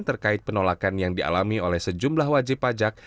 terkait penolakan yang dialami oleh sejumlah wajib pajak